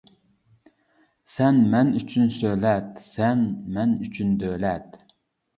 سەن مەن ئۈچۈن سۆلەت، سەن مەن ئۈچۈن دۆلەت.